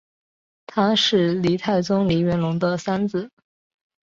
他是黎太宗黎元龙的三子。